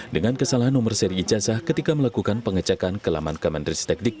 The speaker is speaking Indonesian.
dengan kesalahan nomor seri ijasa ketika melakukan pengecekan kelaman kementeris teknik